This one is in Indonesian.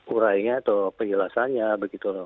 urainya atau penjelasannya begitu loh